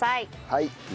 はい。